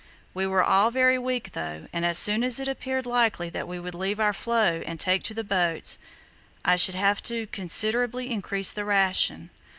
We were all very weak though, and as soon as it appeared likely that we should leave our floe and take to the boats I should have to considerably increase the ration.